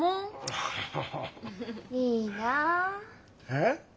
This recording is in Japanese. えっ？